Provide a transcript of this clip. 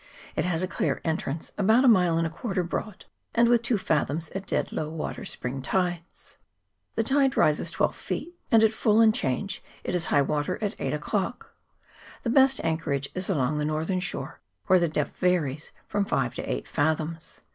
It has a clear entrance about a mile and a quarter broad, and with two fathoms at dead low water spring tides. The tide rises twelve feet, and at full and change it is high water at eight o'clock. The best anchorage is along the northern shore, where the depth varies from five to eight fathoms.